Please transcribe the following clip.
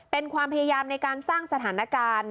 เป็นความพยายามในการสร้างสถานการณ์